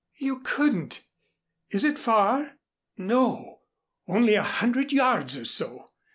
"You couldn't. Is it far?" "No. Only a hundred yards or so.